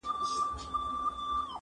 سېمابي سوی له کراره وځم.